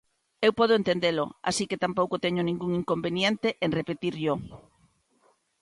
Eu podo entendelo, así que tampouco teño ningún inconveniente en repetirllo.